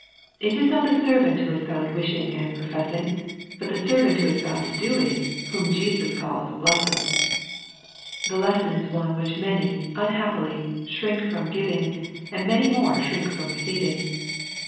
It is not the servant who is found wishing and professing, but the servant who is found " doing" whom Jesus calls " blessed." The lesson is one which many, unhappily, shrink from giving, and many more shrink from receiving.